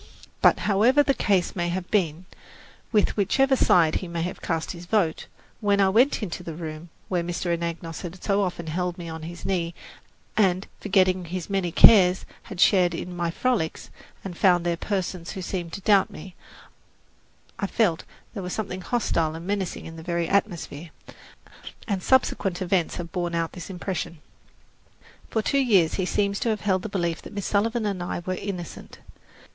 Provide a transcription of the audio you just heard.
But, however the case may have been, with whichever side he may have cast his vote, when I went into the room where Mr. Anagnos had so often held me on his knee and, forgetting his many cares, had shared in my frolics, and found there persons who seemed to doubt me, I felt that there was something hostile and menacing in the very atmosphere, and subsequent events have borne out this impression. For two years he seems to have held the belief that Miss Sullivan and I were innocent.